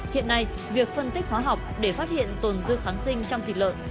hiện nay việc phân tích hóa học để phát hiện tồn dư kháng sinh trong thịt lợn